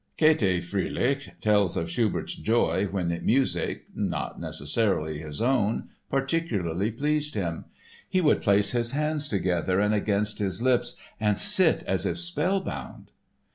Käthi Fröhlich tells of Schubert's joy when music—not necessarily his own—particularly pleased him. "He would place his hands together and against his lips and sit as if spellbound."